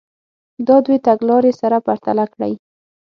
دا دوې تګ لارې سره پرتله کړئ.